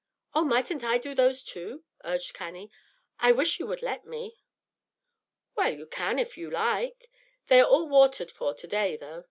"Oh, mightn't I do those too?" urged Cannie. "I wish you would let me." "Well, you can if you like. They are all watered for to day, though.